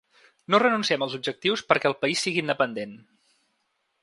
No renunciem als objectius perquè el país sigui independent.